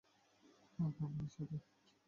ওহ, ফ্যামিলির সাথে?